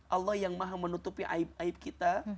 allah yang maha menutupi aib aib kita